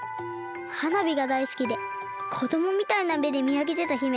はなびがだいすきでこどもみたいなめでみあげてた姫。